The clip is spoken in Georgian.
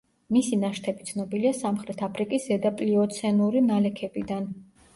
მისი ნაშთები ცნობილია სამხრეთ აფრიკის ზედაპლიოცენური ნალექებიდან.